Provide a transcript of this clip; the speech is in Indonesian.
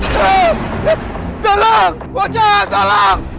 tolong wajah tolong